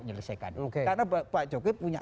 menyelesaikan karena pak jokowi punya